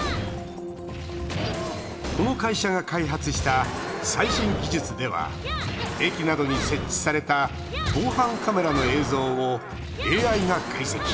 この会社が開発した最新技術では駅などに設置された防犯カメラの映像をＡＩが解析。